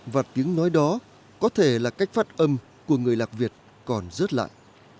và tiếng nói đó có thể là cách phát âm của người lạ việt còn rớt lại